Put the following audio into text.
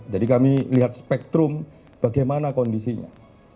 jadi kami lihat spektrum bagaimana kondisinya